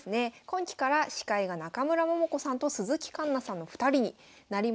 今期から司会が中村桃子さんと鈴木環那さんの２人になりました。